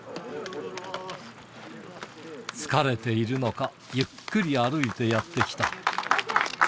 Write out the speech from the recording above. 疲れているのか、ゆっくり歩いてやって来た。